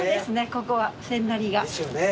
ここは千成が。ですよね。